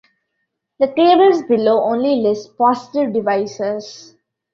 The tables below only list positive divisors.